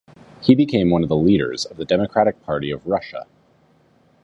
He became one of the leaders of the Democratic Party of Russia.